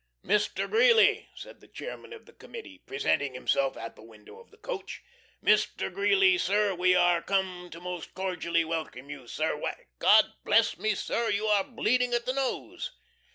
"Mr. Greeley," said the Chairman of the Committee, presenting himself at the window of the coach, "Mr. Greeley, sir! We are come to most cordially welcome you, sir why, God bless me, sir, you are bleeding at the nose!"